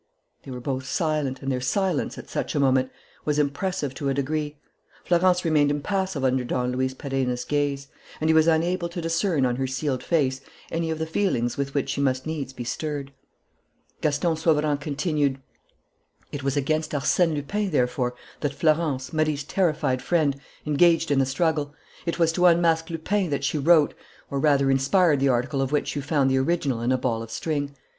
They were both silent; and their silence, at such a moment, was impressive to a degree. Florence remained impassive under Don Luis Perenna's gaze; and he was unable to discern on her sealed face any of the feelings with which she must needs be stirred. Gaston Sauverand continued: "It was against Arsène Lupin, therefore, that Florence, Marie's terrified friend, engaged in the struggle. It was to unmask Lupin that she wrote or rather inspired the article of which you found the original in a ball of string.